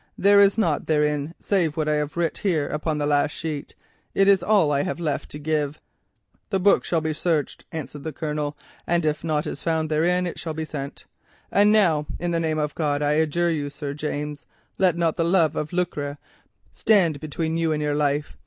There is nought therein save what I have writ here upon this last sheet. It is all I have left to give.' "'The book shall be searched,' answered the Colonel, 'and if nought is found therein it shall be sent. And now, in the name of God, I adjure you, Sir James, let not the love of lucre stand between you and your life.